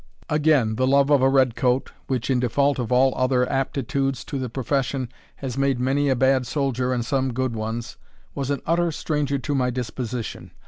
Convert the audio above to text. Again, the love of a red coat, which, in default of all other aptitudes to the profession, has made many a bad soldier and some good ones, was an utter stranger to my disposition.